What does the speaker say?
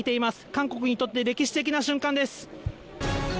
韓国にとって歴史的な瞬間です。